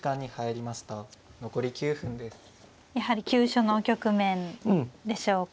やはり急所の局面でしょうか。